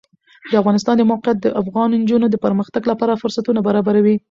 د افغانستان د موقعیت د افغان نجونو د پرمختګ لپاره فرصتونه برابروي.